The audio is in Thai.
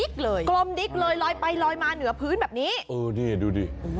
เลยกลมดิ๊กเลยลอยไปลอยมาเหนือพื้นแบบนี้โอ้นี่ดูดิ